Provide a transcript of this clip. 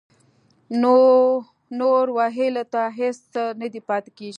نور ویلو ته هېڅ څه نه پاتې کېږي